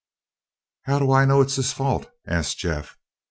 "How do I know it's his fault?" asked Jeff.